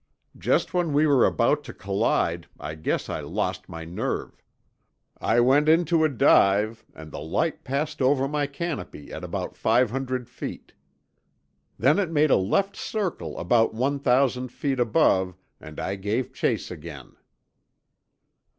Just when we were about to collide I guess I lost my nerve. I went into a dive and the light passed over my canopy at about five hundred feet. Then it made a left circle about one thousand feet above and I gave chase again."